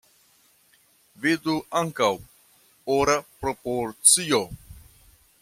Vidu ankaŭ: Ora proporcio.